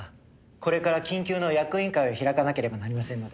これから緊急の役員会を開かなければなりませんので。